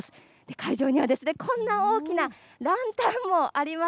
会場にはですね、こんな大きなランタンもあります。